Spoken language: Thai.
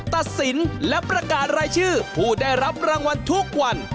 ตัดสินและประกาศรายชื่อผู้ได้รับรางวัลทุกวัน